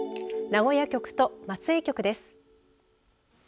名古屋局と松江局です。